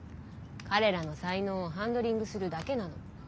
彼らの才能をハンドリングするだけなの。